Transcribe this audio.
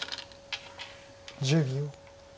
１０秒。